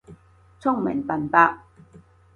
聰明笨伯